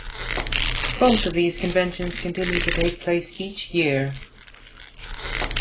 Both of these conventions continue to take place each year.